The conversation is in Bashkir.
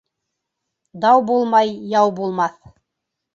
Дау булмай яу булмаҫ.